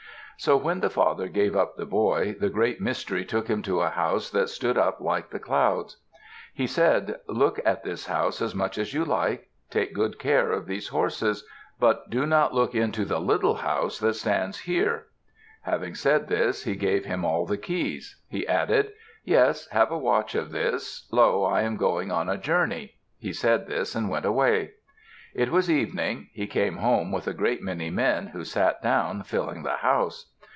So when the father gave up the boy, the Great Mystery took him to a house that stood up like the clouds. He said, "Look at this house as much as you like. Take good care of these horses. But do not look into the little house that stands here." Having said this, he gave him all the keys. He added, "Yes, have a watch of this. Lo, I am going on a journey." He said this and went away. It was evening; he came home with a great many men, who sat down, filling the house.